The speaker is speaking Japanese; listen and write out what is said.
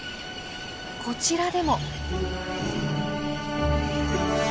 こちらでも。